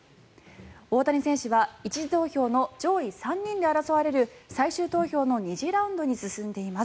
大谷選手は１次投票の上位３人で争われる最終投票の２次ラウンドに進んでいます。